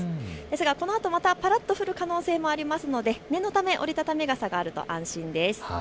このあとまたぱらっと降る可能性もありますので念のため折り畳み傘があると安心です。